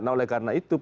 nah oleh karena itu